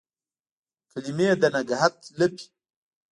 کلمې د نګهت لپې